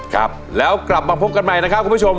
ครับแล้วกลับมาพบกันใหม่นะครับคุณผู้ชม